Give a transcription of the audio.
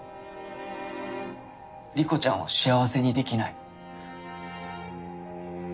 莉子ちゃんを幸せにできない。